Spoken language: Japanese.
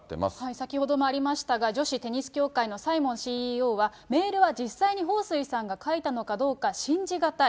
先ほどもありましたが、女子テニス協会のサイモンＣＥＯは、メールは実際に彭帥さんが書いたのかどうか信じ難い。